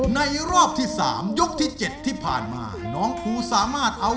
ในรอบที่๓ยกที่๗ที่ผ่านมาน้องภูสามารถเอา